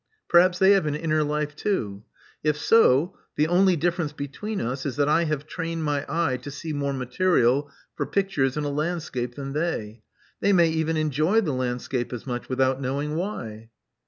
Perhaps they have an inner life too. If so, the only difference between us is that I have trained my eye to see more material for pictures in a landscape than they. They may even enjoy the landscape as much, without knowing why."